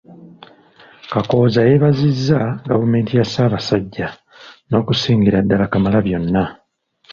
Kakooza yeebazizza Gavumenti ya Ssabasajja, n'okusingira ddala Kamalabyonna.